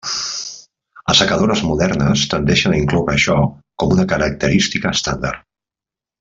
Assecadores modernes tendeixen a incloure això com una característica estàndard.